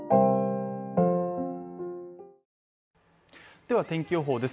では天気予報です。